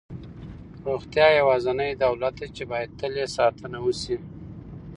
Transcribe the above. روغتیا یوازینی دولت دی چې باید تل یې ساتنه وشي.